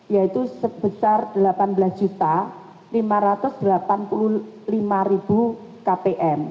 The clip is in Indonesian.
yaitu sebesar delapan belas lima ratus delapan puluh lima kpm